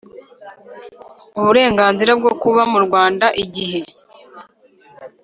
uburenganzira bwo kuba mu Rwanda igihe